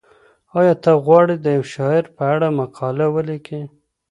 ایا ته غواړې د یو شاعر په اړه مقاله ولیکې؟